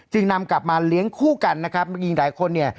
จึงนำกลับมาเลี้ยงคู่กันนะครับเมื่อกี้หลายคนเนี่ย